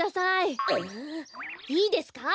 いいですか？